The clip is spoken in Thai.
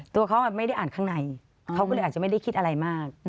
ตัวเขาไม่ได้อ่านข้างในเขาก็เลยอาจจะไม่ได้คิดอะไรมาก